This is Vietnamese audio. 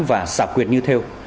và xả quyệt như theo